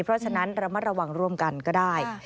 เพราะฉะนั้นระมัดระวังร่วมกันก็ได้